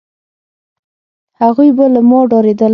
هغوی به له ما ډارېدل،